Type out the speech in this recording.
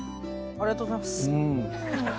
ありがとうございます。